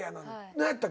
何やった？